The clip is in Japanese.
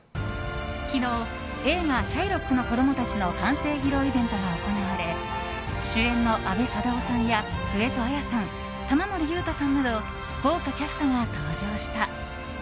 昨日、映画「シャイロックの子供たち」の完成披露イベントが行われ主演の阿部サダヲさんや上戸彩さん、玉森裕太さんなど豪華キャストが登場した。